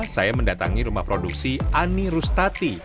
saya mendatangi rumah produksi ani rustati